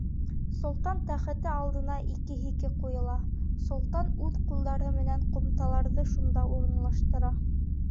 Солтан тәхете алдына ике һике ҡуйыла: солтан үҙ ҡулдары менән ҡумталарҙы шунда урынлаштыра.